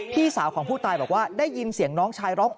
พี่สาวของผู้ตายบอกว่าได้ยินเสียงน้องชายร้อง